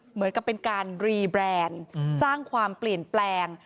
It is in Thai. เหมือนกับเป็นการรีแบรนด์สร้างความเปลี่ยนแปลง